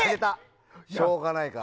しょうがないから。